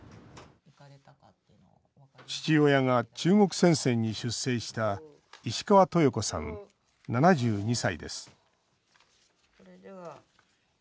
父親が中国戦線に出征した石川豊子さん、７２歳です